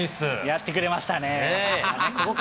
やってくれましたね。